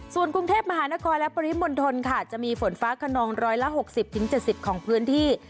ส่วนกรุงเทพฯมหานครและประวัติธรรมทนค่ะจะมีฝนฟ้าขนอง๑๖๐๗๐ของพื้นที่